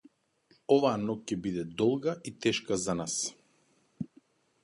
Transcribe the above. Оваа ноќ ке биде, долга и тешка за нас